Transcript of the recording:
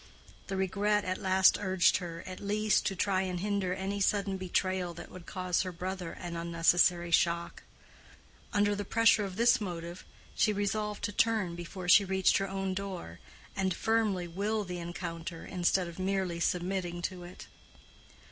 The regret at last urged her, at least, to try and hinder any sudden betrayal that would cause her brother an unnecessary shock. Under the pressure of this motive, she resolved to turn before she reached her own door, and firmly will the encounter instead of merely submitting to it.